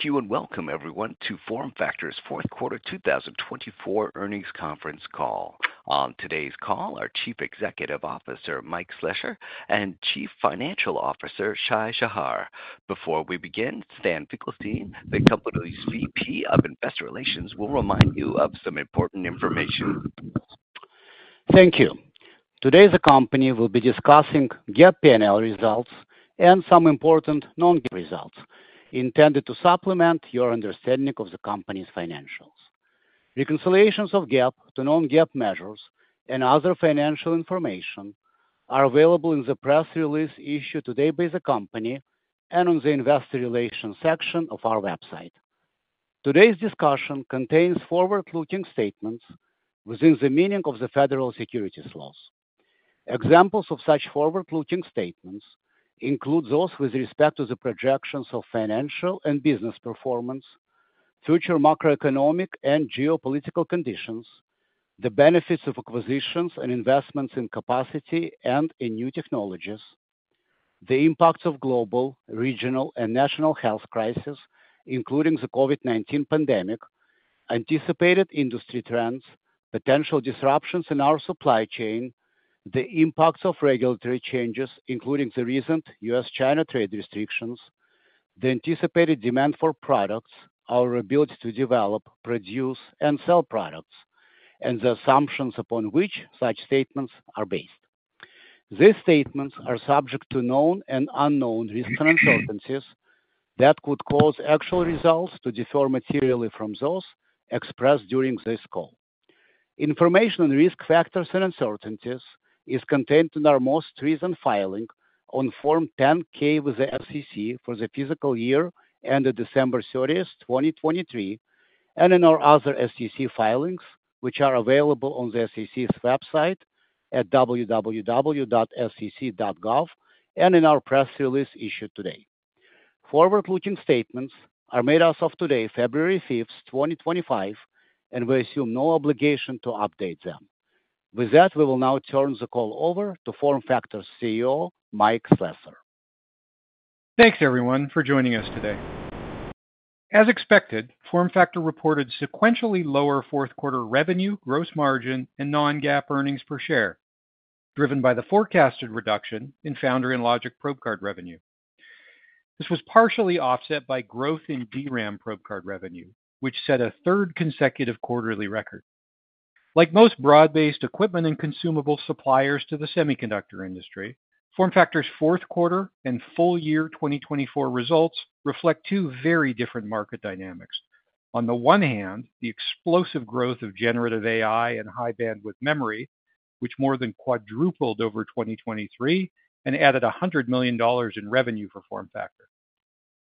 Thank you and welcome, everyone, to FormFactor's Fourth Quarter 2024 earnings conference call. On today's call are Chief Executive Officer Mike Slessor and Chief Financial Officer Shai Shahar. Before we begin, Stan Finkelstein, the company's VP of Investor Relations, will remind you of some important information. Thank you. Today, the company will be discussing GAAP P&L results and some important non-GAAP results intended to supplement your understanding of the company's financials. Reconciliations of GAAP to non-GAAP measures and other financial information are available in the press release issued today by the company and on the Investor Relations section of our website. Today's discussion contains forward-looking statements within the meaning of the Federal Securities Laws. Examples of such forward-looking statements include those with respect to the projections of financial and business performance, future macroeconomic and geopolitical conditions, the benefits of acquisitions and investments in capacity and in new technologies, the impacts of global, regional, and national health crises, including the COVID-19 pandemic, anticipated industry trends, potential disruptions in our supply chain, the impacts of regulatory changes, including the recent U.S.-China trade restrictions, the anticipated demand for products, our ability to develop, produce, and sell products, and the assumptions upon which such statements are based. These statements are subject to known and unknown risks and uncertainties that could cause actual results to differ materially from those expressed during this call. Information on risk factors and uncertainties is contained in our most recent filing on Form 10-K with the SEC for the fiscal year ended December 30, 2023, and in our other SEC filings, which are available on the SEC's website at www.sec.gov and in our press release issued today. Forward-looking statements are made as of today, February 5, 2025, and we assume no obligation to update them. With that, we will now turn the call over to FormFactor's CEO, Mike Slessor. Thanks, everyone, for joining us today. As expected, FormFactor reported sequentially lower Q4 revenue, gross margin, and non-GAAP earnings per share, driven by the forecasted reduction in foundry and logic probe card revenue. This was partially offset by growth in DRAM probe card revenue, which set a third consecutive quarterly record. Like most broad-based equipment and consumable suppliers to the semiconductor industry, FormFactor's Q4 and full-year 2024 results reflect two very different market dynamics. On the one hand, the explosive growth of generative AI and high-bandwidth memory, which more than quadrupled over 2023 and added $100 million in revenue for FormFactor.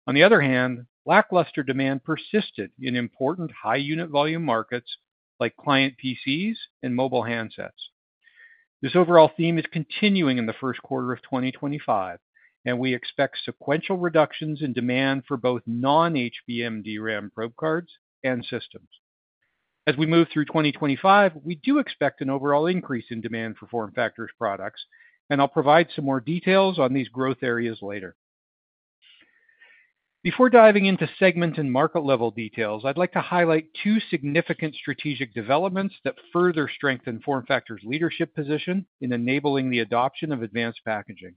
On the other hand, lackluster demand persisted in important high-unit volume markets like client PCs and mobile handsets. This overall theme is continuing in the Q1 of 2025, and we expect sequential reductions in demand for both non-HBM DRAM probe cards and systems. As we move through 2025, we do expect an overall increase in demand for FormFactor's products, and I'll provide some more details on these growth areas later. Before diving into segment and market-level details, I'd like to highlight two significant strategic developments that further strengthen FormFactor's leadership position in enabling the adoption of advanced packaging.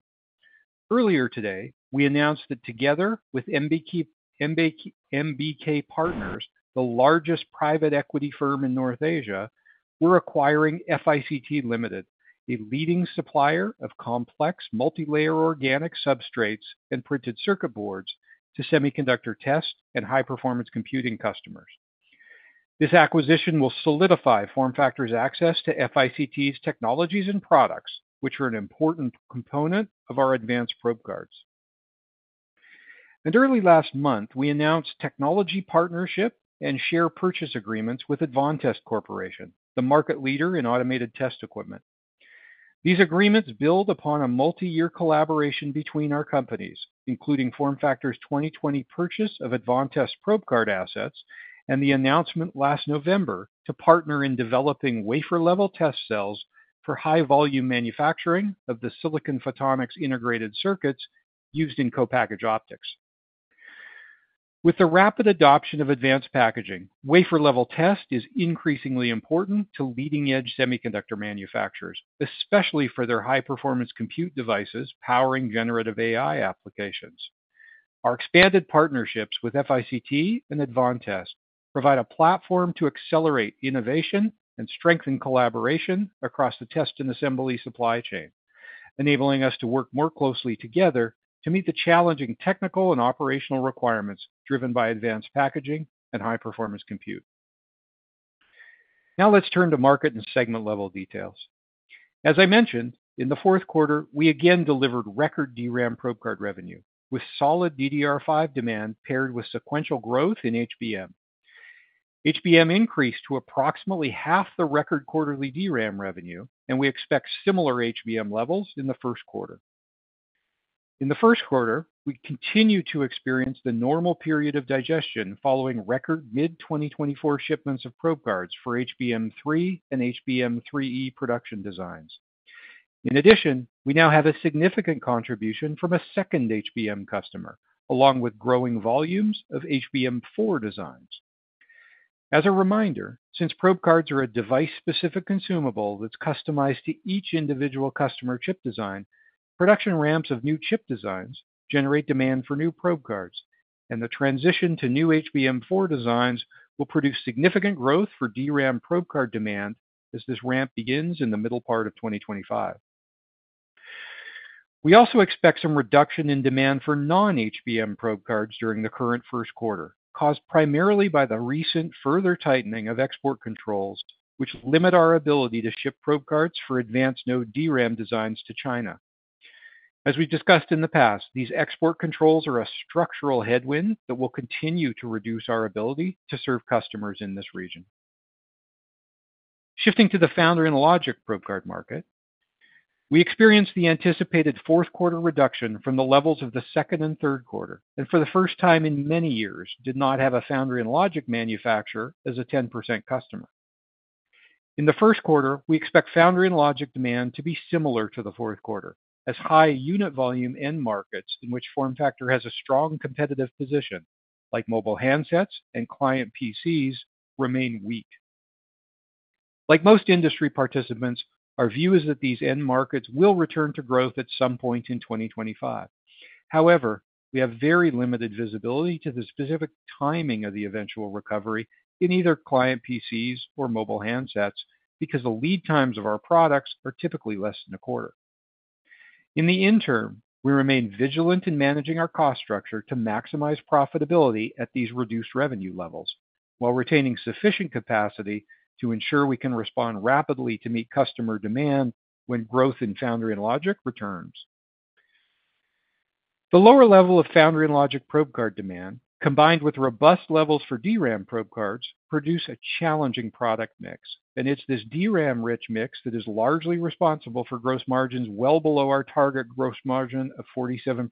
Earlier today, we announced that together with MBK Partners, the largest private equity firm in North Asia, we're acquiring FICT Limited, a leading supplier of complex multi-layer organic substrates and printed circuit boards to semiconductor test and high-performance computing customers. This acquisition will solidify FormFactor's access to FICT's technologies and products, which are an important component of our advanced probe cards. And early last month, we announced technology partnership and share purchase agreements with Advantest Corporation, the market leader in automated test equipment. These agreements build upon a multi-year collaboration between our companies, including FormFactor's 2020 purchase of Advantest probe card assets and the announcement last November to partner in developing wafer-level test cells for high-volume manufacturing of the silicon photonics integrated circuits used in co-packaged optics. With the rapid adoption of advanced packaging, wafer-level test is increasingly important to leading-edge semiconductor manufacturers, especially for their high-performance compute devices powering generative AI applications. Our expanded partnerships with FICT and Advantest provide a platform to accelerate innovation and strengthen collaboration across the test and assembly supply chain, enabling us to work more closely together to meet the challenging technical and operational requirements driven by advanced packaging and high-performance compute. Now let's turn to market and segment-level details. As I mentioned, in the Q4, we again delivered record DRAM probe card revenue, with solid DDR5 demand paired with sequential growth in HBM. HBM increased to approximately half the record quarterly DRAM revenue, and we expect similar HBM levels in the Q1. In the Q1, we continue to experience the normal period of digestion following record mid-2024 shipments of probe cards for HBM3 and HBM3E production designs. In addition, we now have a significant contribution from a second HBM customer, along with growing volumes of HBM4 designs. As a reminder, since probe cards are a device-specific consumable that's customized to each individual customer chip design, production ramps of new chip designs generate demand for new probe cards, and the transition to new HBM4 designs will produce significant growth for DRAM probe card demand as this ramp begins in the middle part of 2025. We also expect some reduction in demand for non-HBM probe cards during the current Q1, caused primarily by the recent further tightening of export controls, which limit our ability to ship probe cards for advanced node DRAM designs to China. As we've discussed in the past, these export controls are a structural headwind that will continue to reduce our ability to serve customers in this region. Shifting to the Foundry and Logic probe card market, we experienced the anticipated Q4 reduction from the levels of the Q2 and Q3, and for the first time in many years, did not have a Foundry and Logic manufacturer as a 10% customer. In the Q1, we expect Foundry and Logic demand to be similar to the Q4, as high unit volume end markets in which FormFactor has a strong competitive position, like mobile handsets and client PCs, remain weak. Like most industry participants, our view is that these end markets will return to growth at some point in 2025. However, we have very limited visibility to the specific timing of the eventual recovery in either client PCs or mobile handsets because the lead times of our products are typically less than a quarter. In the interim, we remain vigilant in managing our cost structure to maximize profitability at these reduced revenue levels, while retaining sufficient capacity to ensure we can respond rapidly to meet customer demand when growth in Foundry and Logic returns. The lower level of Foundry and Logic probe card demand, combined with robust levels for DRAM probe cards, produce a challenging product mix, and it's this DRAM-rich mix that is largely responsible for gross margins well below our target gross margin of 47%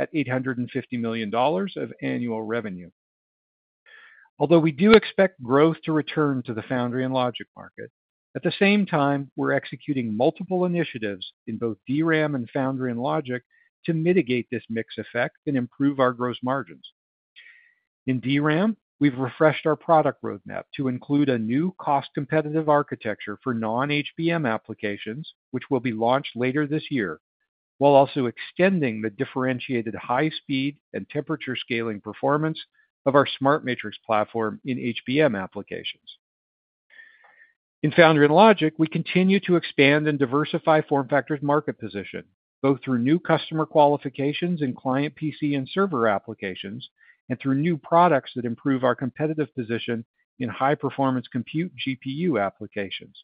at $850 million of annual revenue. Although we do expect growth to return to the Foundry and Logic market, at the same time, we're executing multiple initiatives in both DRAM and Foundry and Logic to mitigate this mix effect and improve our gross margins. In DRAM, we've refreshed our product roadmap to include a new cost-competitive architecture for non-HBM applications, which will be launched later this year, while also extending the differentiated high-speed and temperature scaling performance of our SmartMatrix platform in HBM applications. In Foundry and Logic, we continue to expand and diversify FormFactor's market position, both through new customer qualifications in client PC and server applications and through new products that improve our competitive position in high-performance compute GPU applications.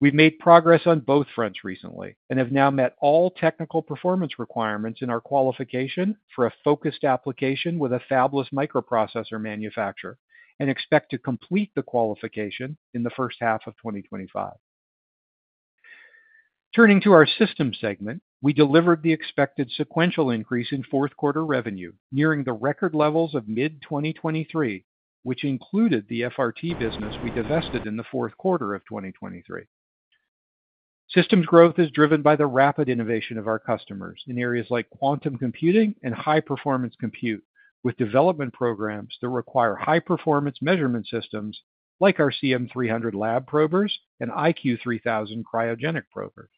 We've made progress on both fronts recently and have now met all technical performance requirements in our qualification for a focused application with a fabless microprocessor manufacturer and expect to complete the qualification in the first half of 2025. Turning to our Systems segment, we delivered the expected sequential increase in Q4 revenue, nearing the record levels of mid-2023, which included the FRT business we divested in the Q4 of 2023. Systems growth is driven by the rapid innovation of our customers in areas like quantum computing and high-performance compute, with development programs that require high-performance measurement systems like our CM300 lab probers and IQ3000 cryogenic probers.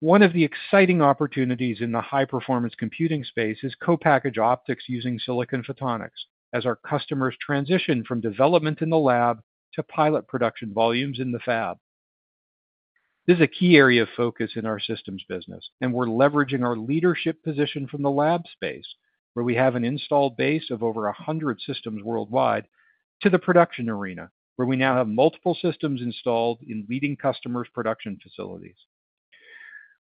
One of the exciting opportunities in the high-performance computing space is co-packaged optics using silicon photonics, as our customers transition from development in the lab to pilot production volumes in the fab. This is a key area of focus in our Systems business, and we're leveraging our leadership position from the lab space, where we have an installed base of over 100 systems worldwide, to the production arena, where we now have multiple systems installed in leading customers' production facilities.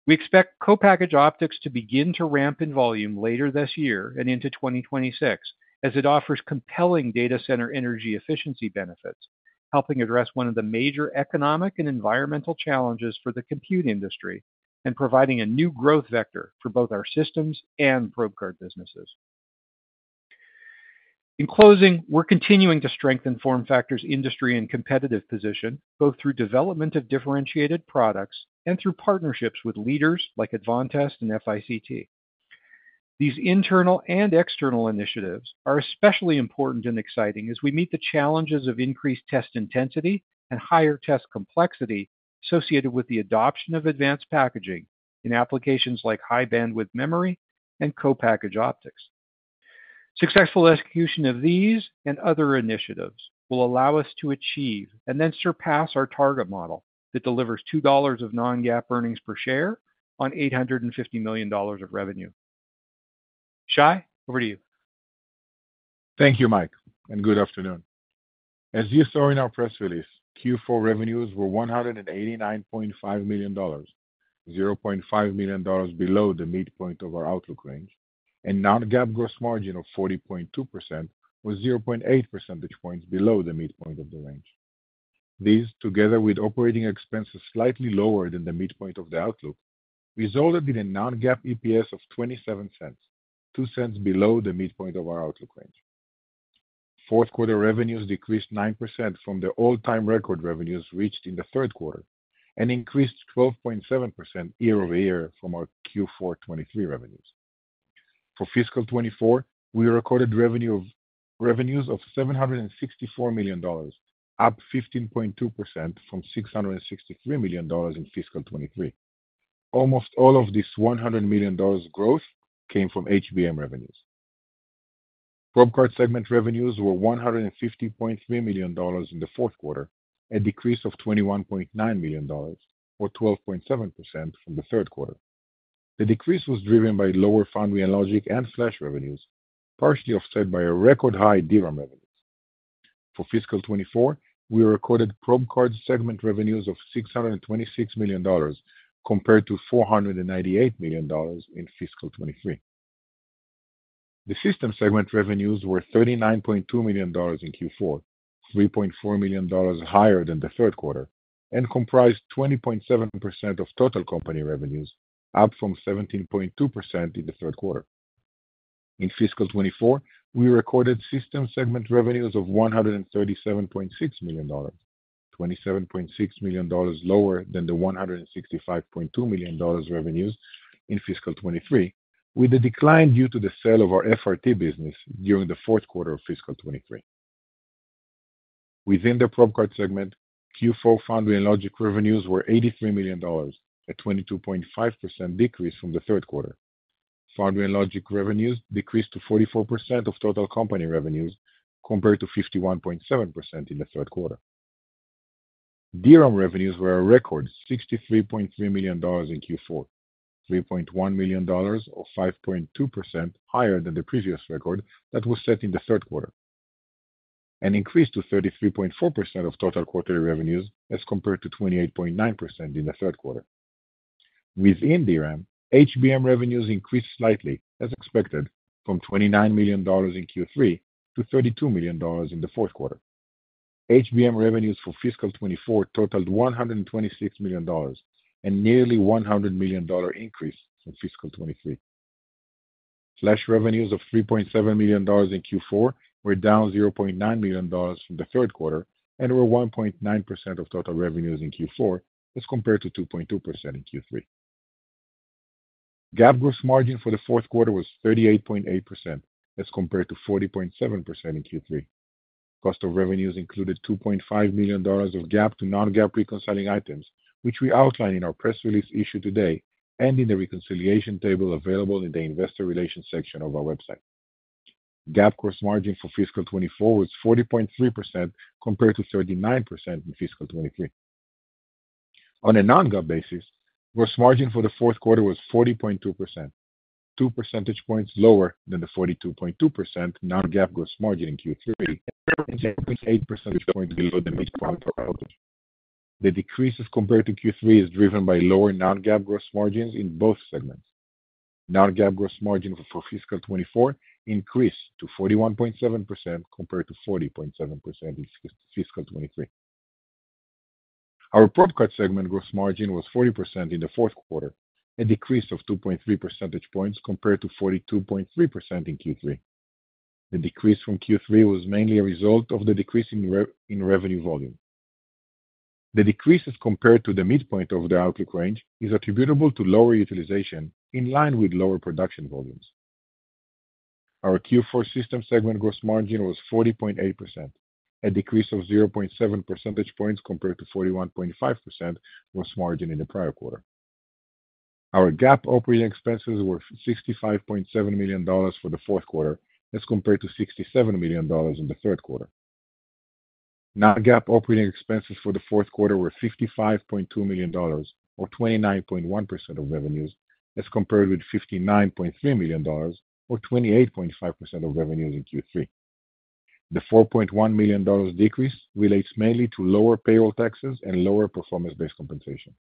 We expect co-packaged optics to begin to ramp in volume later this year and into 2026, as it offers compelling data center energy efficiency benefits, helping address one of the major economic and environmental challenges for the compute industry and providing a new growth vector for both our systems and probe card businesses. In closing, we're continuing to strengthen FormFactor's industry and competitive position, both through development of differentiated products and through partnerships with leaders like Advantest and FICT. These internal and external initiatives are especially important and exciting as we meet the challenges of increased test intensity and higher test complexity associated with the adoption of advanced packaging in applications like high-bandwidth memory and co-packaged optics. Successful execution of these and other initiatives will allow us to achieve and then surpass our target model that delivers $2 of non-GAAP earnings per share on $850 million of revenue. Shai, over to you. Thank you, Mike, and good afternoon. As you saw in our press release, Q4 revenues were $189.5 million, $0.5 million below the midpoint of our outlook range, and non-GAAP gross margin of 40.2% was 0.8 percentage points below the midpoint of the range. These, together with operating expenses slightly lower than the midpoint of the outlook, resulted in a non-GAAP EPS of $0.27, $0.02 below the midpoint of our outlook range. Q4 revenues decreased 9% from the all-time record revenues reached in Q3 and increased 12.7% year over year from our Q4 2023 revenues. For fiscal 2024, we recorded revenues of $764 million, up 15.2% from $663 million in fiscal 2023. Almost all of this $100 million growth came from HBM revenues. Probe card segment revenues were $150.3 million in the Q4, a decrease of $21.9 million, or 12.7% from Q3. The decrease was driven by lower Foundry and Logic and Flash revenues, partially offset by a record high DRAM revenue. For fiscal 2024, we recorded probe card segment revenues of $626 million compared to $498 million in fiscal 2023. The system segment revenues were $39.2 million in Q4, $3.4 million higher than the Q3, and comprised 20.7% of total company revenues, up from 17.2% in Q3. In fiscal 2024, we recorded system segment revenues of $137.6 million, $27.6 million lower than the $165.2 million revenues in fiscal 2023, with a decline due to the sale of our FRT business during the Q4 of fiscal 2023. Within the probe card segment, Q4 Foundry and Logic revenues were $83 million, a 22.5% decrease from Q3. Foundry and Logic revenues decreased to 44% of total company revenues compared to 51.7% in Q3. DRAM revenues were a record $63.3 million in Q4, $3.1 million, or 5.2% higher than the previous record that was set in Q3, and increased to 33.4% of total quarterly revenues as compared to 28.9% in Q3. Within DRAM, HBM revenues increased slightly, as expected, from $29 million in Q3 to $32 million in Q4. HBM revenues for fiscal 2024 totaled $126 million and nearly $100 million increase from fiscal 2023. Flash revenues of $3.7 million in Q4 were down $0.9 million from Q3 and were 1.9% of total revenues in Q4 as compared to 2.2% in Q3. GAAP gross margin for Q4 was 38.8% as compared to 40.7% in Q3. Cost of revenues included $2.5 million of GAAP to non-GAAP reconciling items, which we outline in our press release issued today and in the reconciliation table available in the investor relations section of our website. GAAP gross margin for fiscal 2024 was 40.3% compared to 39% in fiscal 2023. On a non-GAAP basis, gross margin for the Q4 was 40.2%, two percentage points lower than the 42.2% non-GAAP gross margin in Q3, and 0.8 percentage points below the midpoint for outlook. The decrease as compared to Q3 is driven by lower non-GAAP gross margins in both segments. Non-GAAP gross margin for fiscal 2024 increased to 41.7% compared to 40.7% in fiscal 2023. Our probe card segment gross margin was 40% in the Q4, a decrease of 2.3 percentage points compared to 42.3% in Q3. The decrease from Q3 was mainly a result of the decrease in revenue volume. The decrease as compared to the midpoint of the outlook range is attributable to lower utilization in line with lower production volumes. Our Q4 system segment gross margin was 40.8%, a decrease of 0.7 percentage points compared to 41.5% gross margin in the prior quarter. Our GAAP operating expenses were $65.7 million for the Q4 as compared to $67 million in the Q3. Non-GAAP operating expenses for the Q4were $55.2 million, or 29.1% of revenues, as compared with $59.3 million, or 28.5% of revenues in Q3. The $4.1 million decrease relates mainly to lower payroll taxes and lower performance-based compensation.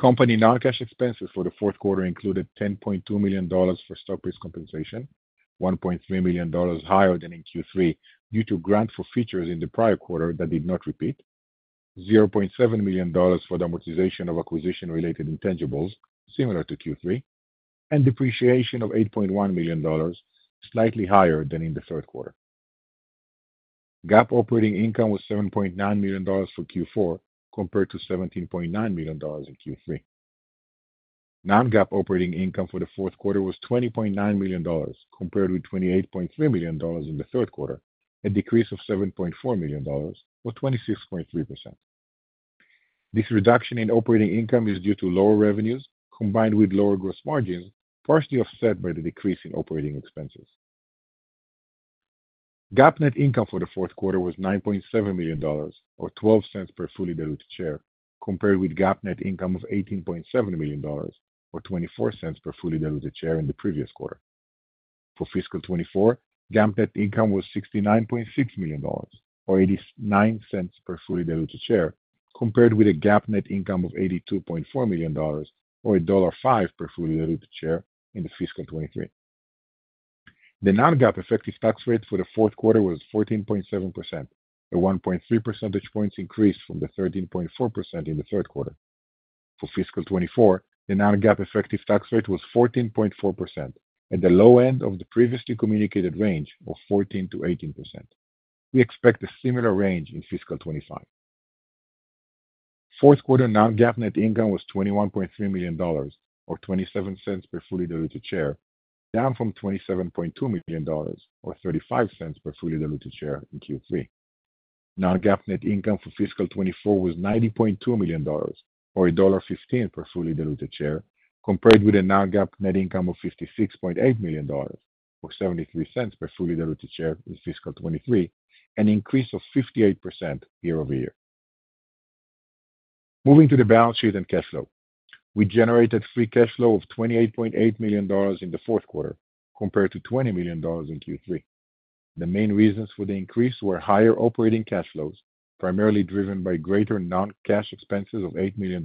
Company non-cash expenses for the Q4 included $10.2 million for stock-based compensation, $1.3 million higher than in Q3 due to grant forfeitures in the prior quarter that did not repeat, $0.7 million for the amortization of acquisition-related intangibles, similar to Q3, and depreciation of $8.1 million, slightly higher than in the Q3. GAAP operating income was $7.9 million for Q4 compared to $17.9 million in Q3. Non-GAAP operating income for the Q4 was $20.9 million compared with $28.3 million in the Q3, a decrease of $7.4 million, or 26.3%. This reduction in operating income is due to lower revenues combined with lower gross margins, partially offset by the decrease in operating expenses. GAAP net income for the Q4 was $9.7 million, or $0.12 per fully diluted share, compared with GAAP net income of $18.7 million, or $0.24 per fully diluted share in the previous quarter. For fiscal 2024, GAAP net income was $69.6 million, or $0.89 per fully diluted share, compared with a GAAP net income of $82.4 million, or $1.05 per fully diluted share in the fiscal 2023. The non-GAAP effective tax rate for the Q4 was 14.7%, a 1.3 percentage points increase from the 13.4% in the Q3. For fiscal 2024, the non-GAAP effective tax rate was 14.4%, at the low end of the previously communicated range of 14% to 18%. We expect a similar range in fiscal 2025. Q4 non-GAAP net income was $21.3 million, or $0.27 per fully diluted share, down from $27.2 million, or $0.35 per fully diluted share in Q3. Non-GAAP net income for fiscal 2024 was $90.2 million, or $1.15 per fully diluted share, compared with a non-GAAP net income of $56.8 million, or $0.73 per fully diluted share in fiscal 2023, an increase of 58% year over year. Moving to the balance sheet and cash flow. We generated free cash flow of $28.8 million in the Q4, compared to $20 million in Q3. The main reasons for the increase were higher operating cash flows, primarily driven by greater non-cash expenses of $8 million,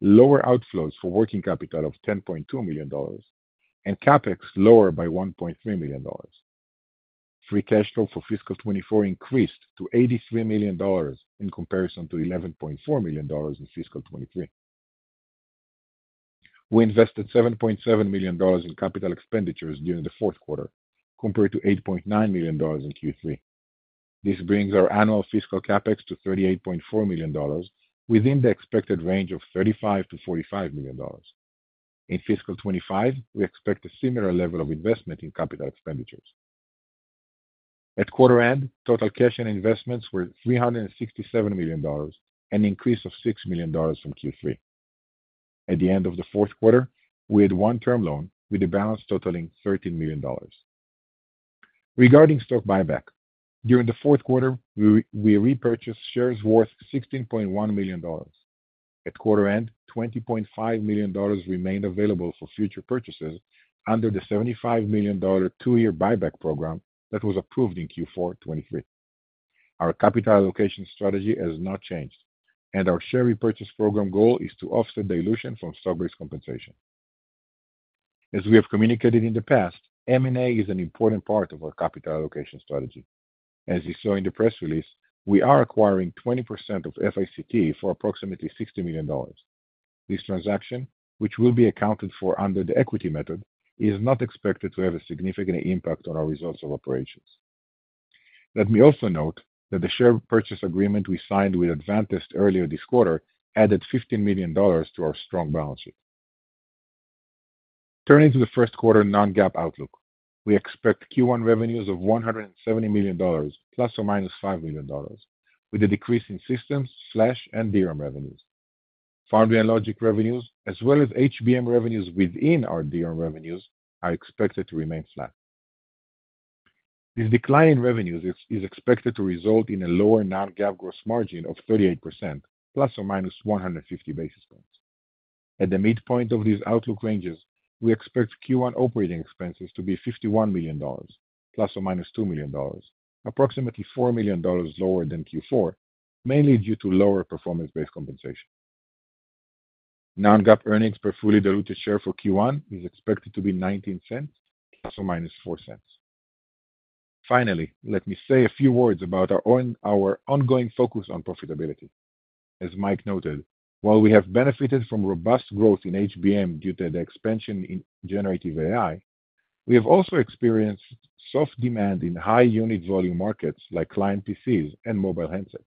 lower outflows for working capital of $10.2 million, and CapEx lower by $1.3 million. Free cash flow for fiscal 2024 increased to $83 million in comparison to $11.4 million in fiscal 2023. We invested $7.7 million in capital expenditures during the Q4, compared to $8.9 million in Q3. This brings our annual fiscal CapEx to $38.4 million, within the expected range of $35-$45 million. In fiscal 2025, we expect a similar level of investment in capital expenditures. At quarter end, total cash and investments were $367 million, an increase of $6 million from Q3. At the end of the Q4, we had one term loan with a balance totaling $13 million. Regarding stock buyback, during the Q4, we repurchased shares worth $16.1 million. At quarter end, $20.5 million remained available for future purchases under the $75 million two-year buyback program that was approved in Q4 2023. Our capital allocation strategy has not changed, and our share repurchase program goal is to offset dilution from stock-based compensation. As we have communicated in the past, M&A is an important part of our capital allocation strategy. As you saw in the press release, we are acquiring 20% of FICT for approximately $60 million. This transaction, which will be accounted for under the equity method, is not expected to have a significant impact on our results of operations. Let me also note that the share purchase agreement we signed with Advantest earlier this quarter added $15 million to our strong balance sheet. Turning to the Q1 non-GAAP outlook, we expect Q1 revenues of $170 million, ±$5 million, with a decrease in Systems, Flash, and DRAM revenues. Foundry and Logic revenues, as well as HBM revenues within our DRAM revenues, are expected to remain flat. This decline in revenues is expected to result in a lower non-GAAP gross margin of 38%, ±150 basis points. At the midpoint of these outlook ranges, we expect Q1 operating expenses to be $51 million, ±$2 million, approximately $4 million lower than Q4, mainly due to lower performance-based compensation. Non-GAAP earnings per fully diluted share for Q1 is expected to be $0.19, ±$0.04. Finally, let me say a few words about our ongoing focus on profitability. As Mike noted, while we have benefited from robust growth in HBM due to the expansion in generative AI, we have also experienced soft demand in high unit volume markets like client PCs and mobile handsets.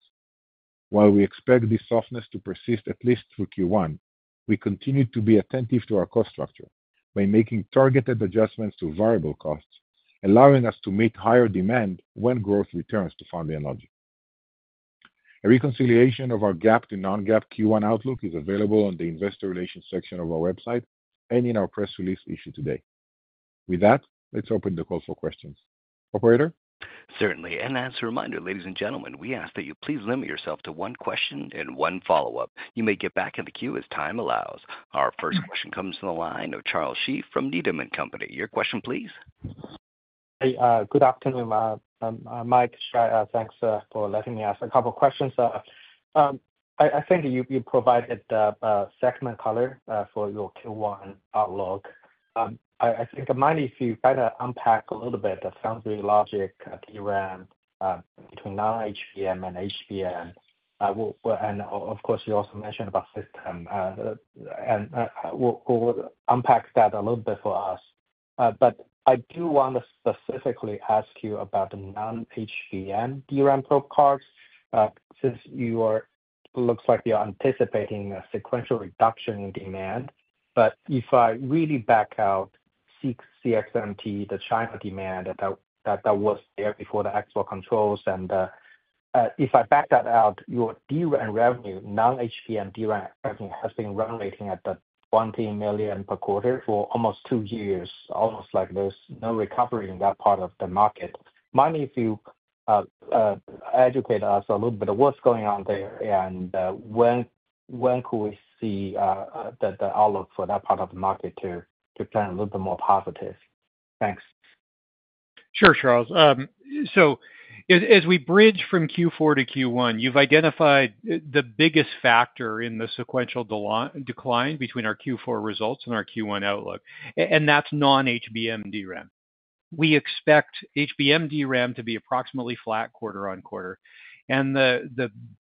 While we expect this softness to persist at least through Q1, we continue to be attentive to our cost structure by making targeted adjustments to variable costs, allowing us to meet higher demand when growth returns to Foundry and Logic. A reconciliation of our GAAP to non-GAAP Q1 outlook is available on the investor relations section of our website and in our press release issued today. With that, let's open the call for questions. Operator? Certainly. And as a reminder, ladies and gentlemen, we ask that you please limit yourself to one question and one follow-up. You may get back in the queue as time allows. Our first question comes from the line of Charles Shi from Needham & Company. Your question, please. Hey, good afternoon. I'm Mike. Thanks for letting me ask a couple of questions. I think you provided the segment color for your Q1 outlook. I think it might be if you kind of unpack a little bit of foundry logic, DRAM, between non-HBM and HBM, and of course, you also mentioned about system. And unpack that a little bit for us. But I do want to specifically ask you about the non-HBM DRAM probe cards, since it looks like you're anticipating a sequential reduction in demand. But if I really back out CXMT, the China demand that was there before the export controls, and if I back that out, your DRAM revenue, non-HBM DRAM revenue, has been running at the $20 million per quarter for almost two years, almost like there's no recovery in that part of the market. Mind if you educate us a little bit of what's going on there and when could we see the outlook for that part of the market to turn a little bit more positive? Thanks. Sure, Charles. So as we bridge from Q4 to Q1, you've identified the biggest factor in the sequential decline between our Q4 results and our Q1 outlook, and that's non-HBM DRAM. We expect HBM DRAM to be approximately flat quarter-on-quarter.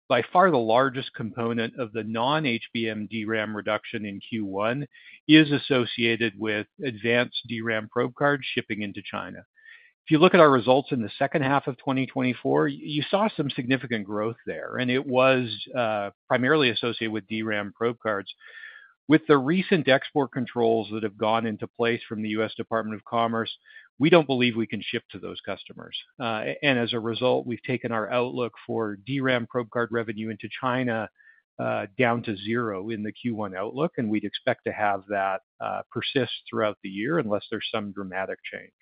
By far, the largest component of the non-HBM DRAM reduction in Q1 is associated with advanced DRAM probe cards shipping into China. If you look at our results in the second half of 2024, you saw some significant growth there, and it was primarily associated with DRAM probe cards. With the recent export controls that have gone into place from the U.S. Department of Commerce, we don't believe we can ship to those customers. As a result, we've taken our outlook for DRAM probe card revenue into China down to zero in the Q1 outlook, and we'd expect to have that persist throughout the year unless there's some dramatic change.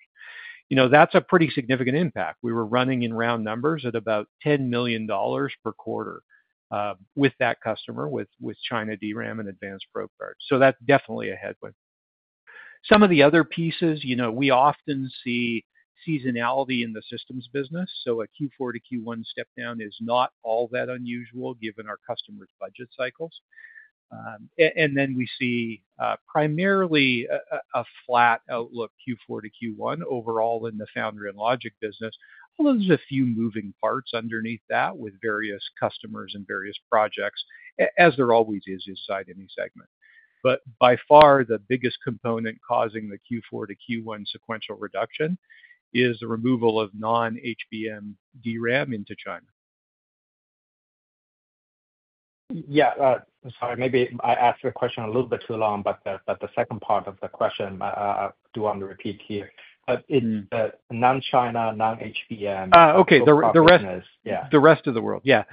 That's a pretty significant impact. We were running in round numbers at about $10 million per quarter with that customer, with China DRAM and advanced probe cards. So that's definitely a headwind. Some of the other pieces, we often see seasonality in the Systems business. So a Q4 to Q1 step-down is not all that unusual, given our customers' budget cycles. And then we see primarily a flat outlook Q4 to Q1 overall in the Foundry and Logic business, although there's a few moving parts underneath that with various customers and various projects, as there always is inside any segment. But by far, the biggest component causing the Q4 to Q1 sequential reduction is the removal of non-HBM DRAM into China. Yeah. Sorry, maybe I asked the question a little bit too long, but the second part of the question, I do want to repeat here. It's the non-China, non-HBM, non-HBM business. Okay. The rest of the world. Yeah.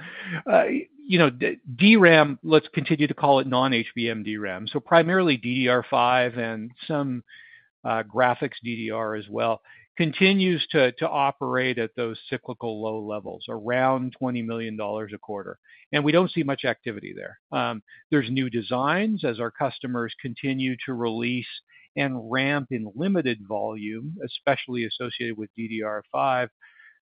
DRAM, let's continue to call it non-HBM DRAM. So primarily DDR5 and some graphics DDR as well continues to operate at those cyclical low levels, around $20 million a quarter. And we don't see much activity there. There's new designs as our customers continue to release and ramp in limited volume, especially associated with DDR5.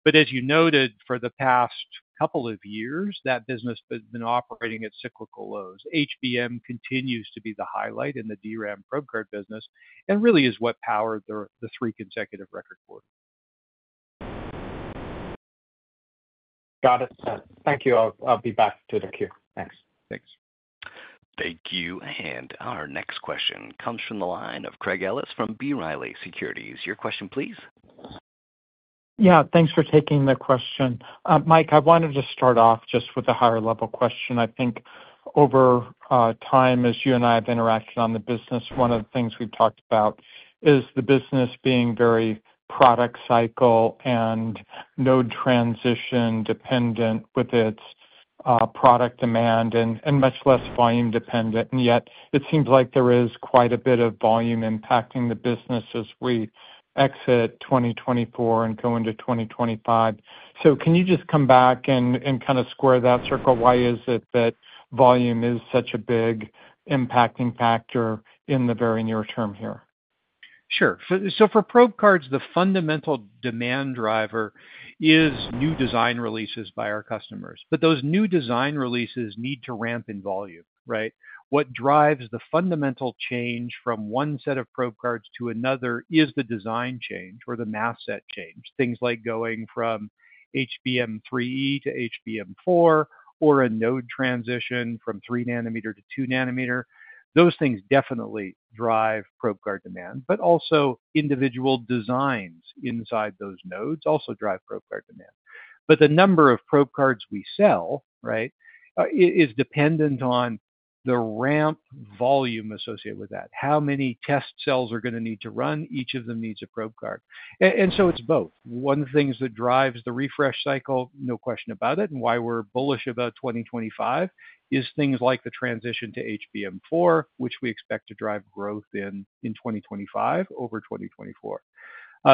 But as you noted, for the past couple of years, that business has been operating at cyclical lows. HBM continues to be the highlight in the DRAM probe card business and really is what powered the three consecutive record quarters. Got it. Thank you. I'll be back to the queue. Thanks. Thanks. Thank you. And our next question comes from the line of Craig Ellis from B. Riley Securities. Your question, please. Yeah. Thanks for taking the question. Mike, I wanted to start off just with a higher-level question. I think over time, as you and I have interacted on the business, one of the things we've talked about is the business being very product-cycle and node transition dependent with its product demand and much less volume dependent. And yet, it seems like there is quite a bit of volume impacting the business as we exit 2024 and go into 2025. So can you just come back and kind of square that circle? Why is it that volume is such a big impacting factor in the very near term here? Sure. So for probe cards, the fundamental demand driver is new design releases by our customers. But those new design releases need to ramp in volume, right? What drives the fundamental change from one set of probe cards to another is the design change or the mask set change. Things like going from HBM3 to HBM4 or a node transition from 3-nanometer to 2-nanometer. Those things definitely drive probe card demand. But also, individual designs inside those nodes also drive probe card demand. But the number of probe cards we sell, right, is dependent on the ramp volume associated with that. How many test cells are going to need to run? Each of them needs a probe card. And so it's both. One of the things that drives the refresh cycle, no question about it, and why we're bullish about 2025 is things like the transition to HBM4, which we expect to drive growth in 2025 over 2024.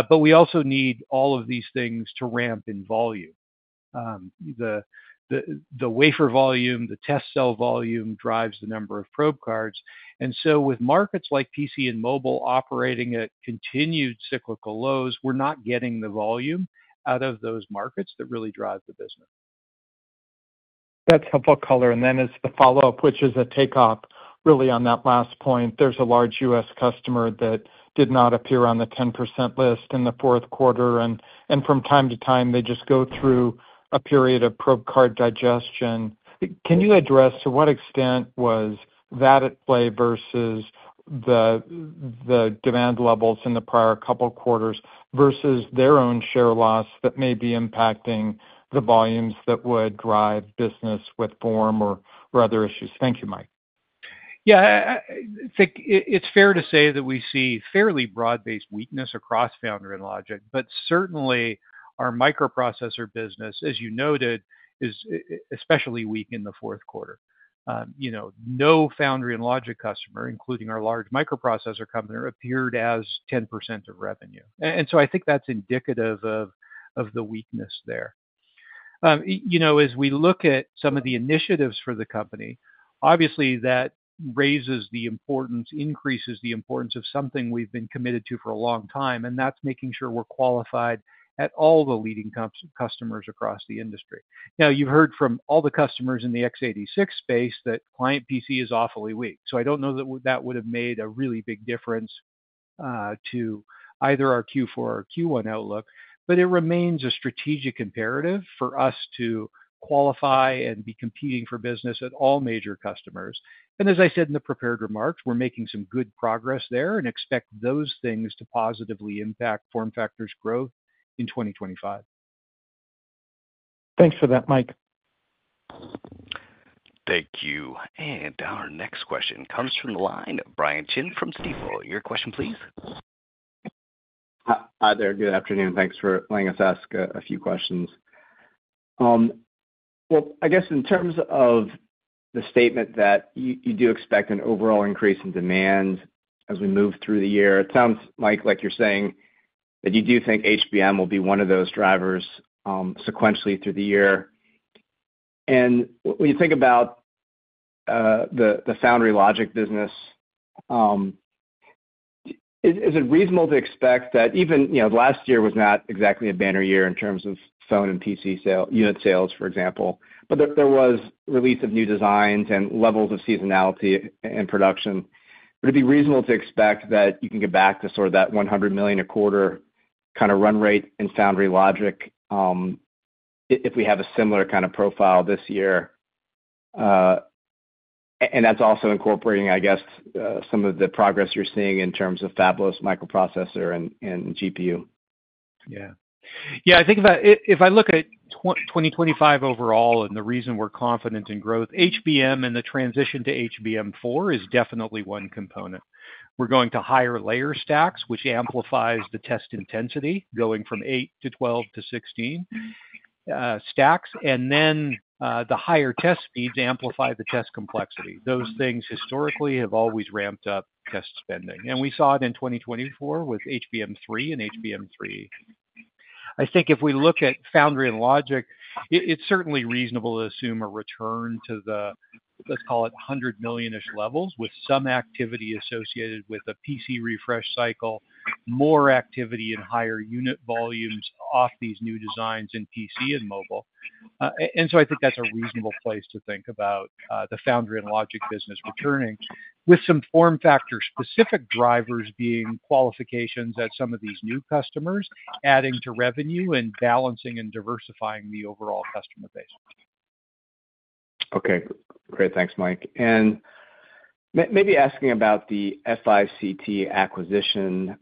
But we also need all of these things to ramp in volume. The wafer volume, the test cell volume drives the number of probe cards. And so with markets like PC and mobile operating at continued cyclical lows, we're not getting the volume out of those markets that really drive the business. That's helpful color. And then it's the follow-up, which is a takeoff, really, on that last point. There's a large U.S. customer that did not appear on the 10% list in the Q4. And from time to time, they just go through a period of probe card digestion. Can you address to what extent was that at play versus the demand levels in the prior couple of quarters versus their own share loss that may be impacting the volumes that would drive business with FormFactor or other issues? Thank you, Mike. Yeah. It's fair to say that we see fairly broad-based weakness across Foundry and Logic. But certainly, our microprocessor business, as you noted, is especially weak in the Q4. No, Foundry and Logic customer, including our large microprocessor company, appeared as 10% of revenue. And so I think that's indicative of the weakness there. As we look at some of the initiatives for the company, obviously, that raises the importance, increases the importance of something we've been committed to for a long time, and that's making sure we're qualified at all the leading customers across the industry. Now, you've heard from all the customers in the x86 space that client PC is awfully weak. So I don't know that that would have made a really big difference to either our Q4 or Q1 outlook, but it remains a strategic imperative for us to qualify and be competing for business at all major customers, and as I said in the prepared remarks, we're making some good progress there and expect those things to positively impact FormFactor's growth in 2025. Thanks for that, Mike. Thank you. And our next question comes from the line of Brian Chin from Stifel. Your question, please. Hi there. Good afternoon. Thanks for letting us ask a few questions. Well, I guess in terms of the statement that you do expect an overall increase in demand as we move through the year, it sounds like you're saying that you do think HBM will be one of those drivers sequentially through the year. And when you think about the foundry logic business, is it reasonable to expect that even last year was not exactly a banner year in terms of phone and PC unit sales, for example, but there was release of new designs and levels of seasonality in production? Would it be reasonable to expect that you can get back to sort of that $100 million a quarter kind of run rate in foundry logic if we have a similar kind of profile this year? And that's also incorporating, I guess, some of the progress you're seeing in terms of fabless microprocessor and GPU. Yeah. Yeah. I think if I look at 2025 overall and the reason we're confident in growth, HBM and the transition to HBM4 is definitely one component. We're going to higher layer stacks, which amplifies the test intensity going from eight to 12 to 16 stacks. And then the higher test speeds amplify the test complexity. Those things historically have always ramped up test spending. And we saw it in 2024 with HBM3 and HBM3. I think if we look at Foundry and Logic, it's certainly reasonable to assume a return to the, let's call it, $100 million-ish levels with some activity associated with a PC refresh cycle, more activity in higher unit volumes off these new designs in PC and mobile. And so I think that's a reasonable place to think about the Foundry and Logic business returning, with some FormFactor-specific drivers being qualifications at some of these new customers, adding to revenue and balancing and diversifying the overall customer base. Okay. Great. Thanks, Mike. And maybe asking about the FICT acquisition.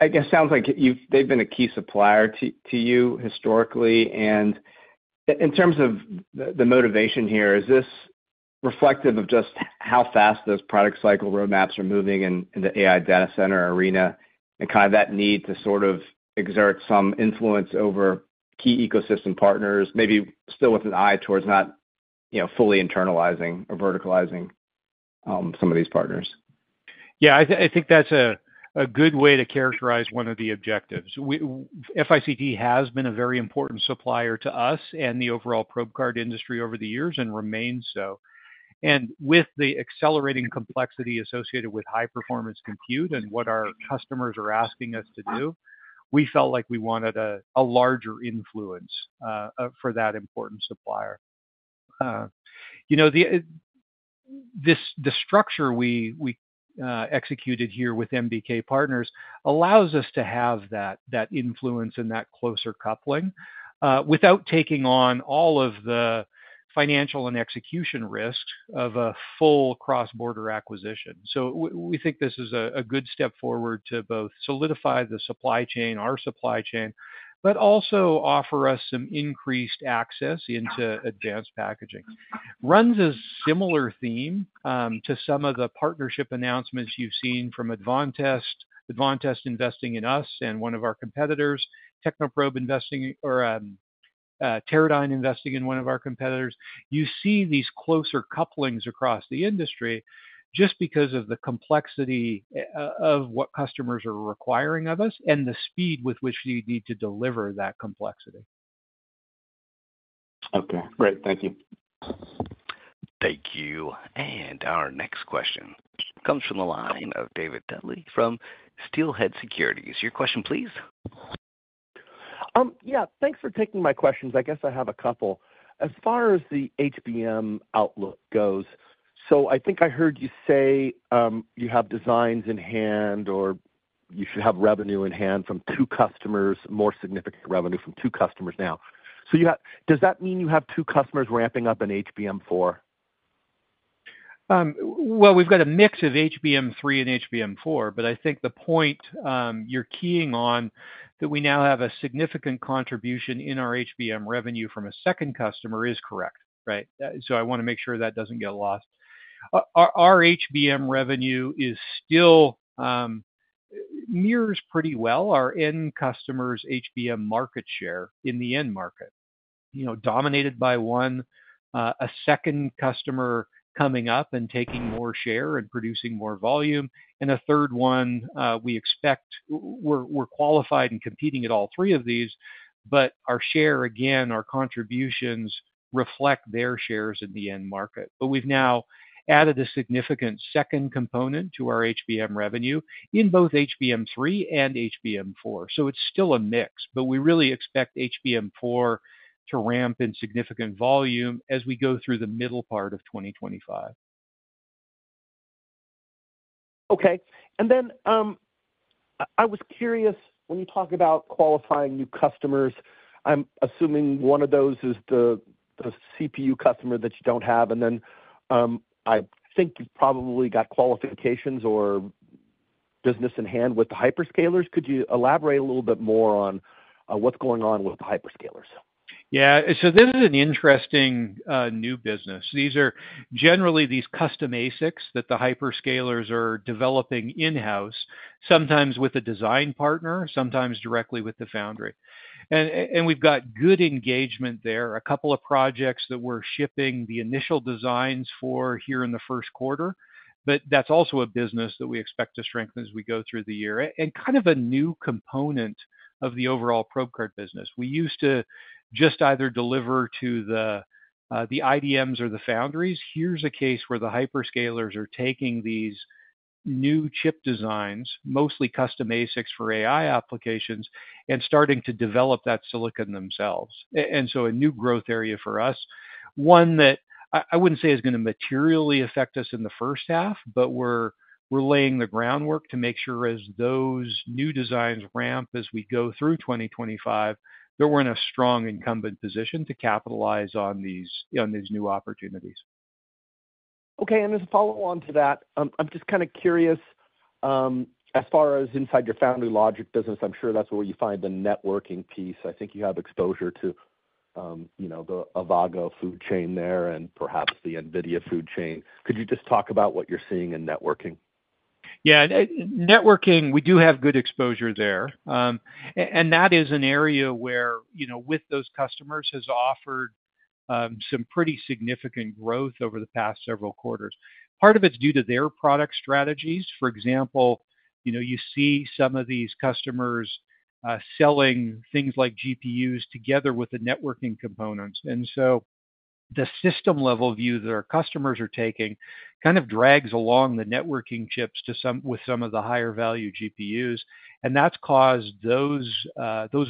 I guess it sounds like they've been a key supplier to you historically. In terms of the motivation here, is this reflective of just how fast those product cycle roadmaps are moving in the AI data center arena and kind of that need to sort of exert some influence over key ecosystem partners, maybe still with an eye towards not fully internalizing or verticalizing some of these partners? Yeah. I think that's a good way to characterize one of the objectives. FICT has been a very important supplier to us and the overall probe card industry over the years and remains so. With the accelerating complexity associated with high-performance compute and what our customers are asking us to do, we felt like we wanted a larger influence for that important supplier. The structure we executed here with MBK Partners allows us to have that influence and that closer coupling without taking on all of the financial and execution risks of a full cross-border acquisition. So we think this is a good step forward to both solidify the supply chain, our supply chain, but also offer us some increased access into advanced packaging. Runs a similar theme to some of the partnership announcements you've seen from Advantest, Advantest investing in us and one of our competitors, Technoprobe investing, or Teradyne investing in one of our competitors. You see these closer couplings across the industry just because of the complexity of what customers are requiring of us and the speed with which you need to deliver that complexity. Okay. Great. Thank you. Thank you. And our next question comes from the line of David Duley from Steelhead Securities. Your question, please. Yeah. Thanks for taking my questions. I guess I have a couple. As far as the HBM outlook goes, so I think I heard you say you have designs in hand or you should have revenue in hand from two customers, more significant revenue from two customers now. So does that mean you have two customers ramping up in HBM4? Well, we've got a mix of HBM3 and HBM4, but I think the point you're keying on that we now have a significant contribution in our HBM revenue from a second customer is correct, right? So I want to make sure that doesn't get lost. Our HBM revenue still mirrors pretty well our end customer's HBM market share in the end market, dominated by one, a second customer coming up and taking more share and producing more volume, and a third one we expect. We're qualified and competing at all three of these, but our share, again, our contributions reflect their shares in the end market, but we've now added a significant second component to our HBM revenue in both HBM3 and HBM4, so it's still a mix, but we really expect HBM4 to ramp in significant volume as we go through the middle part of 2025. Okay, and then I was curious, when you talk about qualifying new customers, I'm assuming one of those is the CPU customer that you don't have. And then I think you've probably got qualifications or business in hand with the hyperscalers. Could you elaborate a little bit more on what's going on with the hyperscalers? Yeah, so this is an interesting new business. These are generally custom ASICs that the hyperscalers are developing in-house, sometimes with a design partner, sometimes directly with the foundry. We've got good engagement there. A couple of projects that we're shipping the initial designs for here in the Q1, but that's also a business that we expect to strengthen as we go through the year and kind of a new component of the overall probe card business. We used to just either deliver to the IDMs or the foundries. Here's a case where the hyperscalers are taking these new chip designs, mostly custom ASICs for AI applications, and starting to develop that silicon themselves. And so a new growth area for us, one that I wouldn't say is going to materially affect us in the first half, but we're laying the groundwork to make sure as those new designs ramp as we go through 2025, that we're in a strong incumbent position to capitalize on these new opportunities. Okay. As a follow-on to that, I'm just kind of curious, as far as inside your foundry logic business, I'm sure that's where you find the networking piece. I think you have exposure to the Avago supply chain there and perhaps the NVIDIA supply chain. Could you just talk about what you're seeing in networking? Yeah. Networking, we do have good exposure there. And that is an area where, with those customers, has offered some pretty significant growth over the past several quarters. Part of it's due to their product strategies. For example, you see some of these customers selling things like GPUs together with the networking components. And so the system-level view that our customers are taking kind of drags along the networking chips with some of the higher-value GPUs. That's caused those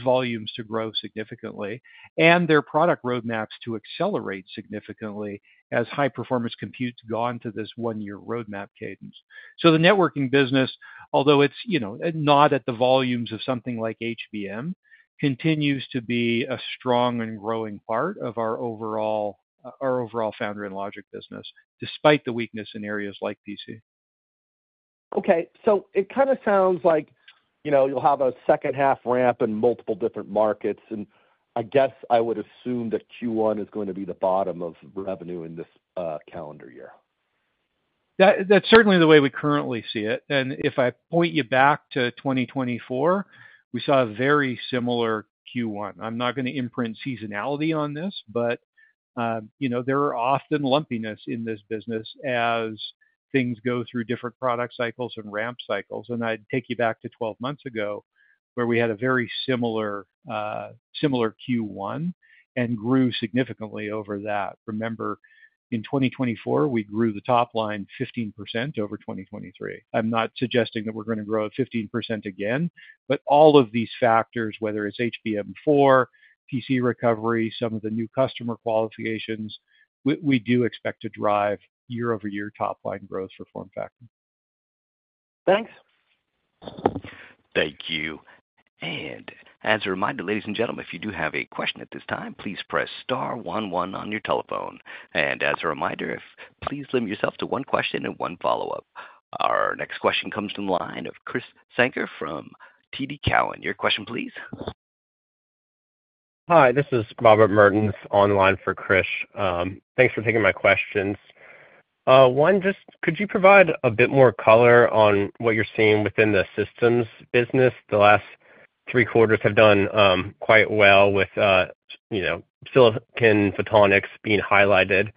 volumes to grow significantly and their product roadmaps to accelerate significantly as high-performance compute's gone to this one-year roadmap cadence. The networking business, although it's not at the volumes of something like HBM, continues to be a strong and growing part of our overall foundry and logic business, despite the weakness in areas like PC. Okay. It kind of sounds like you'll have a second-half ramp in multiple different markets. I guess I would assume that Q1 is going to be the bottom of revenue in this calendar year. That's certainly the way we currently see it. If I point you back to 2024, we saw a very similar Q1. I'm not going to imprint seasonality on this, but there are often lumpiness in this business as things go through different product cycles and ramp cycles. And I'd take you back to 12 months ago where we had a very similar Q1 and grew significantly over that. Remember, in 2024, we grew the top line 15% over 2023. I'm not suggesting that we're going to grow 15% again, but all of these factors, whether it's HBM4, PC recovery, some of the new customer qualifications, we do expect to drive year-over-year top-line growth for FormFactor. Thanks. Thank you. And as a reminder, ladies and gentlemen, if you do have a question at this time, please press star 11 on your telephone. And as a reminder, please limit yourself to one question and one follow-up. Our next question comes from the line of Krish Sankar from TD Cowen. Your question, please. Hi. This is Robert Mertens on the line for Krish. Thanks for taking my questions. One, just could you provide a bit more color on what you're seeing within the Systems business? The last three quarters have done quite well with silicon photonics being highlighted.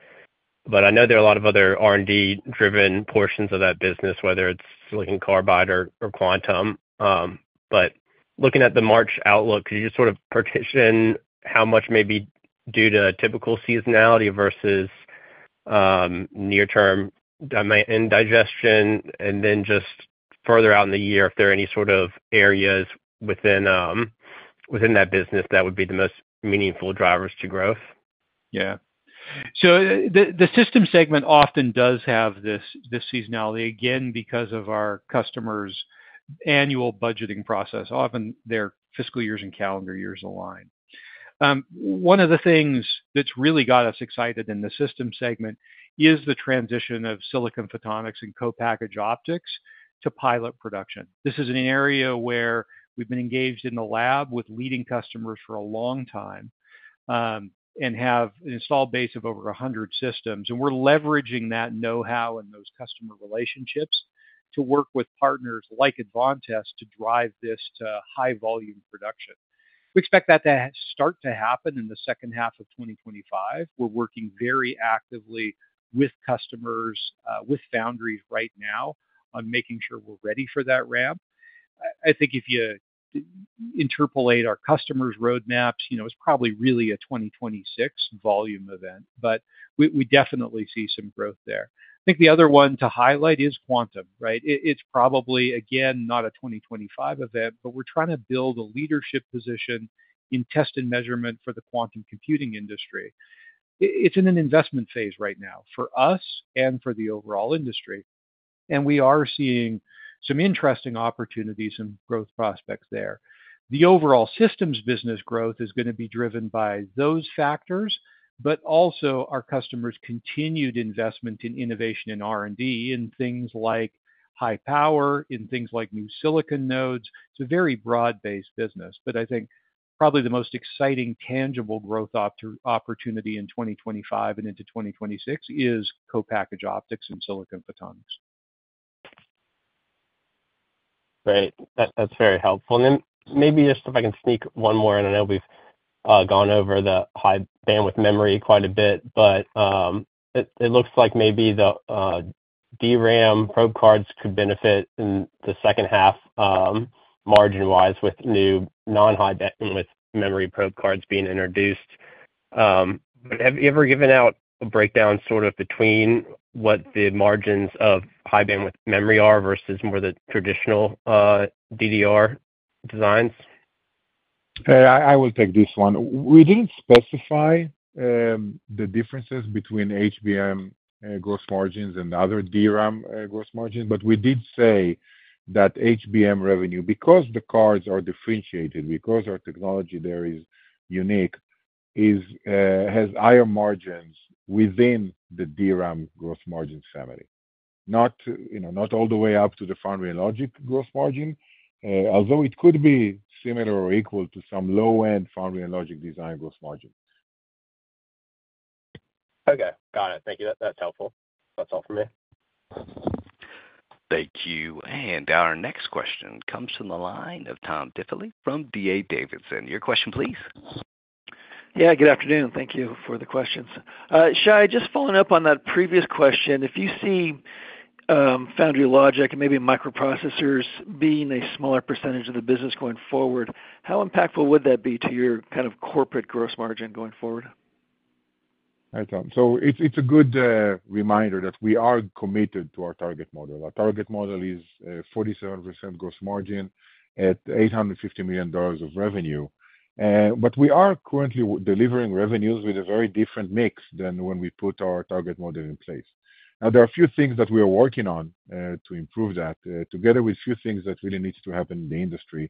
But I know there are a lot of other R&D-driven portions of that business, whether it's silicon carbide or quantum. But looking at the March outlook, could you just sort of partition how much may be due to typical seasonality versus near-term indigestion? And then just further out in the year, if there are any sort of areas within that business that would be the most meaningful drivers to growth? Yeah. So the system segment often does have this seasonality, again, because of our customer's annual budgeting process. Often, their fiscal years and calendar years align. One of the things that's really got us excited in the system segment is the transition of silicon photonics and co-packaged optics to pilot production. This is an area where we've been engaged in the lab with leading customers for a long time and have an installed base of over 100 systems, and we're leveraging that know-how and those customer relationships to work with partners like Advantest to drive this to high-volume production. We expect that to start to happen in the second half of 2025. We're working very actively with customers, with foundries right now, on making sure we're ready for that ramp. I think if you interpolate our customers' roadmaps, it's probably really a 2026 volume event, but we definitely see some growth there. I think the other one to highlight is quantum, right? It's probably, again, not a 2025 event, but we're trying to build a leadership position in test and measurement for the quantum computing industry. It's in an investment phase right now for us and for the overall industry. And we are seeing some interesting opportunities and growth prospects there. The overall Systems business growth is going to be driven by those factors, but also our customers' continued investment in innovation in R&D, in things like high power, in things like new silicon nodes. It's a very broad-based business, but I think probably the most exciting tangible growth opportunity in 2025 and into 2026 is co-packaged optics and silicon photonics. Great. That's very helpful. And then maybe just if I can sneak one more, and I know we've gone over the High Bandwidth Memory quite a bit, but it looks like maybe the DRAM probe cards could benefit in the second half margin-wise with new Non-High Bandwidth Memory probe cards being introduced. But have you ever given out a breakdown sort of between what the margins of High Bandwidth Memory are versus more the traditional DDR designs? I will take this one. We didn't specify the differences between HBM gross margins and other DRAM gross margins, but we did say that HBM revenue, because the cards are differentiated, because our technology there is unique, has higher margins within the DRAM gross margin family, not all the way up to the Foundry and Logic gross margin, although it could be similar or equal to some low-end Foundry and Logic design gross margin. Okay. Got it. Thank you. That's helpful. That's all for me. Thank you. And our next question comes from the line of Tom Diffely from D.A. Davidson. Your question, please. Yeah. Good afternoon. Thank you for the questions. Shai, just following up on that previous question, if you see foundry logic and maybe microprocessors being a smaller percentage of the business going forward, how impactful would that be to your kind of corporate gross margin going forward? All right, Tom. So it's a good reminder that we are committed to our target model. Our target model is 47% gross margin at $850 million of revenue. But we are currently delivering revenues with a very different mix than when we put our target model in place. Now, there are a few things that we are working on to improve that, together with a few things that really need to happen in the industry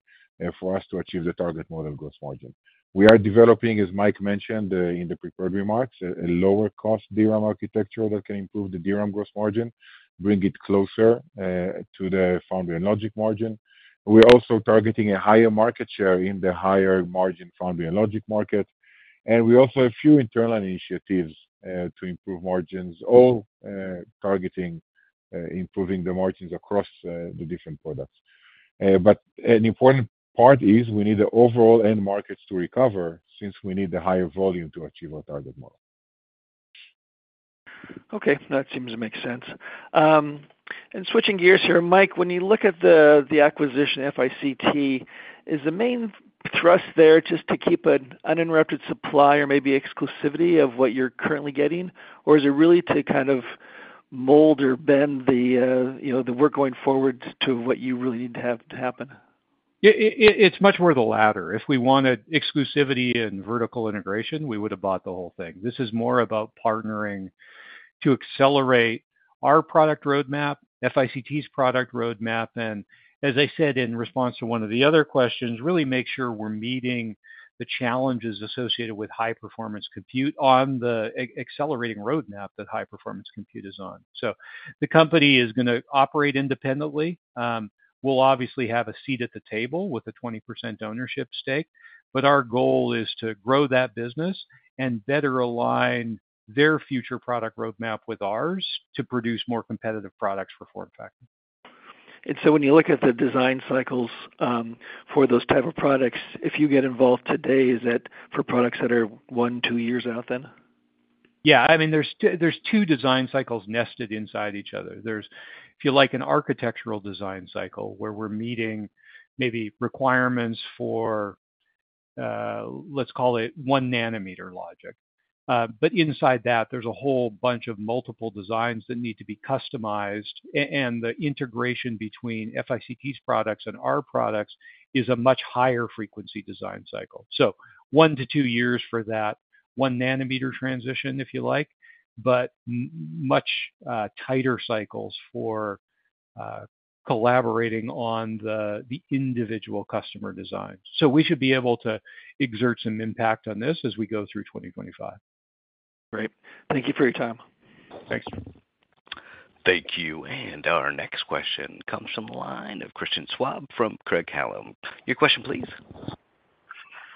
for us to achieve the target model gross margin. We are developing, as Mike mentioned in the prepared remarks, a lower-cost DRAM architecture that can improve the DRAM gross margin, bring it closer to the Foundry and Logic margin. We're also targeting a higher market share in the higher-margin Foundry and Logic market. And we also have a few internal initiatives to improve margins, all targeting improving the margins across the different products. But an important part is we need the overall end markets to recover since we need the higher volume to achieve our target model. Okay. That seems to make sense. Switching gears here, Mike, when you look at the acquisition FICT, is the main thrust there just to keep an uninterrupted supply or maybe exclusivity of what you're currently getting, or is it really to kind of mold or bend the work going forward to what you really need to have to happen? It's much more the latter. If we wanted exclusivity and vertical integration, we would have bought the whole thing. This is more about partnering to accelerate our product roadmap, FICT's product roadmap, and, as I said in response to one of the other questions, really make sure we're meeting the challenges associated with high-performance compute on the accelerating roadmap that high-performance compute is on. The company is going to operate independently. We'll obviously have a seat at the table with a 20% ownership stake, but our goal is to grow that business and better align their future product roadmap with ours to produce more competitive products for FormFactor, and so when you look at the design cycles for those type of products, if you get involved today, is that for products that are one, two years out then? Yeah. I mean, there's two design cycles nested inside each other. There's, if you like, an architectural design cycle where we're meeting maybe requirements for, let's call it, one nanometer logic, but inside that, there's a whole bunch of multiple designs that need to be customized, and the integration between FICT's products and our products is a much higher-frequency design cycle. So one to two years for that one-nanometer transition, if you like, but much tighter cycles for collaborating on the individual customer designs. So we should be able to exert some impact on this as we go through 2025. Great. Thank you for your time. Thanks. Thank you. And our next question comes from the line of Christian Schwab from Craig-Hallum. Your question, please.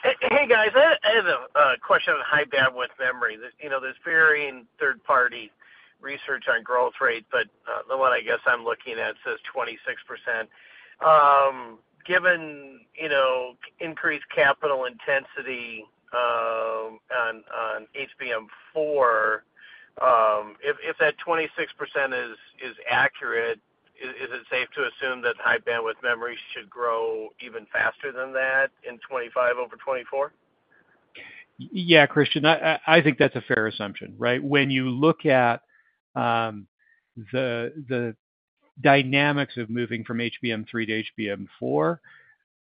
Hey, guys. I have a question on High Bandwidth Memory. There's varying third-party research on growth rates, but the one I guess I'm looking at says 26%. Given increased capital intensity on HBM4, if that 26% is accurate, is it safe to assume that High Bandwidth Memory should grow even faster than that in 2025 over 2024? Yeah, Christian, I think that's a fair assumption, right? When you look at the dynamics of moving from HBM3 to HBM4,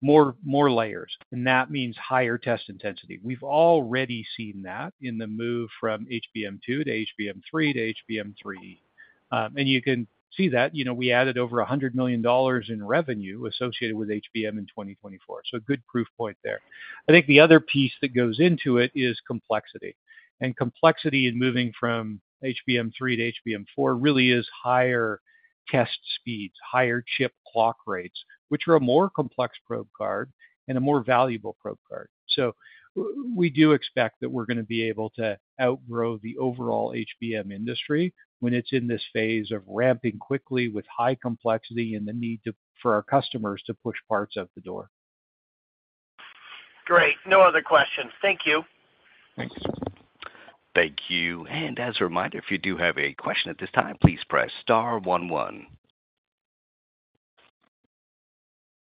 more layers, and that means higher test intensity. We've already seen that in the move from HBM2 to HBM3 to HBM3E. And you can see that we added over $100 million in revenue associated with HBM in 2024. So good proof point there. I think the other piece that goes into it is complexity. And complexity in moving from HBM3 to HBM4 really is higher test speeds, higher chip clock rates, which are a more complex probe card and a more valuable probe card. So we do expect that we're going to be able to outgrow the overall HBM industry when it's in this phase of ramping quickly with high complexity and the need for our customers to push parts out the door. Great. No other questions. Thank you. Thanks. Thank you. As a reminder, if you do have a question at this time, please press star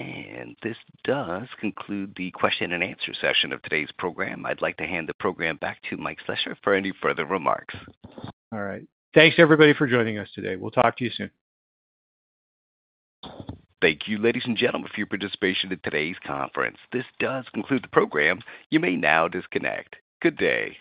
11. This does conclude the question-and-answer session of today's program. I'd like to hand the program back to Mike Slessor for any further remarks. All right. Thanks, everybody, for joining us today. We'll talk to you soon. Thank you, ladies and gentlemen, for your participation in today's conference. This does conclude the program. You may now disconnect. Good day.